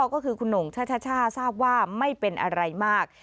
ก็คือคุณหน่งช่าทราบว่าไม่เป็นอะไรมาก